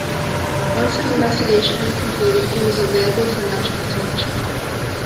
Once his investigation was completed he was available for national selection.